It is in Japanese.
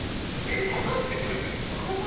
測ってくれるの？